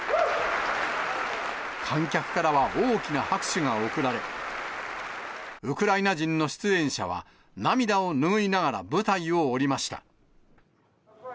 観客からは大きな拍手が送られ、ウクライナ人の出演者は、涙をぬぐいながら舞台を降りました。